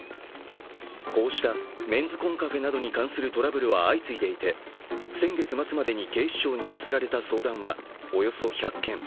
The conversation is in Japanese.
こうしたメンズコンカフェなどに関するトラブルは相次いでいて先月末までに警視庁に寄せられた相談はおよそ１００件。